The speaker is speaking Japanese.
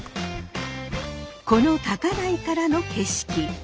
この高台からの景色。